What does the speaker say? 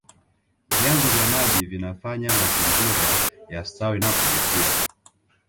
vyanzo vya maji vinafanya mazingira yastawi na kuvutia